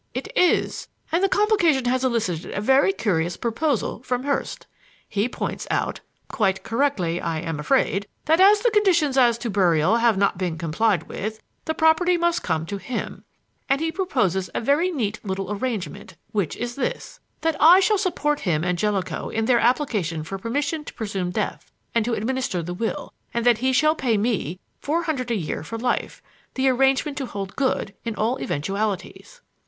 "It is; and the complication has elicited a very curious proposal from Hurst. He points out quite correctly, I am afraid that as the conditions as to burial have not been complied with, the property must come to him, and he proposes a very neat little arrangement, which is this: That I shall support him and Jellicoe in their application for permission to presume death and to administer the will, and that he shall pay me four hundred a year for life; the arrangement to hold good in all eventualities."